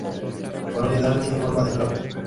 Por lo general tiene forma de flauta.